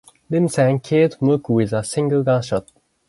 Remsen killed Mook with a single gunshot.